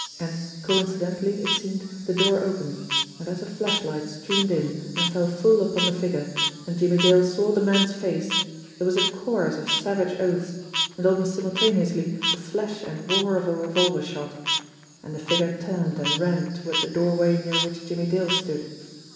And, coincidently, it seemed, the door opened, and as a flashlight streamed in and fell full upon the figure, and Jimmie Dale saw the man's face, there was a chorus of savage oaths, and almost simultaneously the flash and roar of a revolver shot. And the figure turned and ran toward the doorway near which Jimmie Dale stood.